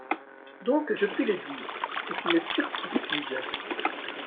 Donc je puis le dire, c'est une turpitude !